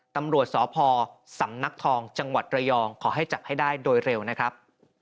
ตำรวจสพสำนักทองจังหวัดระยองขอให้จับให้ได้โดยเร็วนะครับ